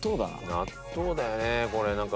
納豆だよねこれなんか。